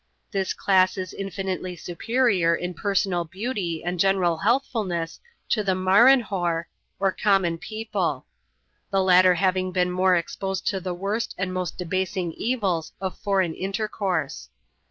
This class is infinitely superior in personal beauty and general heahhfulness to the ^^ marenhoar," or conmion people ; the latter having been more es^)osed to the worst and most debasing evils of foreign intercourse.